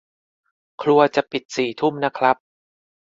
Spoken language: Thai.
ครัวจะปิดสี่ทุ่มนะครับ